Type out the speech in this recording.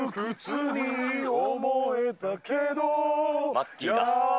マッキーだ。